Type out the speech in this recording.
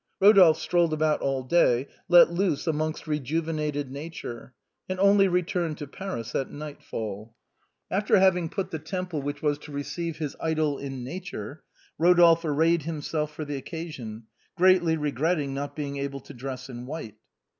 Kodolphe strolled about all day, let loose amongst reju venated nature, and only returned to Paris at nightfall. After having put the temple which was to receive his idol in order, Eodolphe arrayed himself for the occasion, greatly regretting not being able to dress in white.